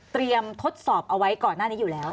ทดสอบเอาไว้ก่อนหน้านี้อยู่แล้ว